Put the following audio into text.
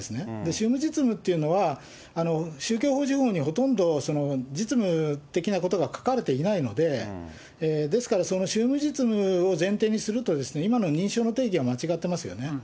宗務実務というのは、宗教法人法にはほとんど実務的なことが書かれていないので、ですから、その宗務実務を前提にするとですね、今の認証の定義は間違っていますよね。